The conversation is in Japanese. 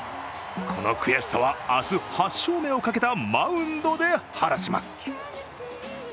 この悔しさは明日８勝目をかけたマウンドで晴らします。